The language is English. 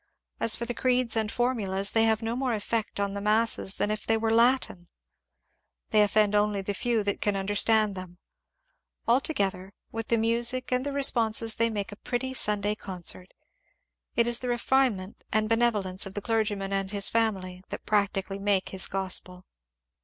As for the creeds and formulas, they have no more effect on the masses than if they were in Latin ; they offend only the few that can understand them; altogether, with the music and the re sponses they make a pretty Sunday concert. It is the refine ment and the benevolence of the clergyman and his family that practically make his gospel.